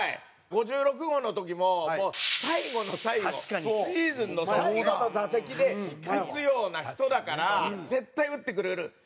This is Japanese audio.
５６号の時も最後の最後シーズンの最後の打席で打つような人だから絶対打ってくれる。